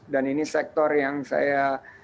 dan ini sektor yang saya